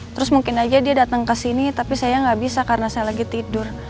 terus mungkin aja dia datang ke sini tapi saya nggak bisa karena saya lagi tidur